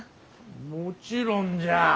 もちろんじゃ。